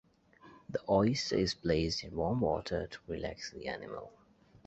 The oyster is placed in warm water to relax the animal.